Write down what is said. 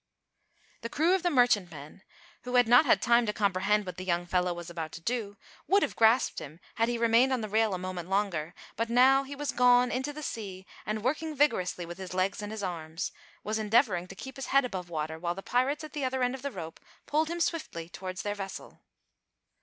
The crew of the merchantman, who had not had time to comprehend what the young fellow was about to do, would have grasped him had he remained on the rail a moment longer, but now he was gone into the sea, and, working vigorously with his legs and arms, was endeavouring to keep his head above water while the pirates at the other end of the rope pulled him swiftly towards their vessel.